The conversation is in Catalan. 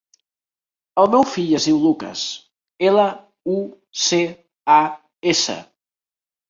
El meu fill es diu Lucas: ela, u, ce, a, essa.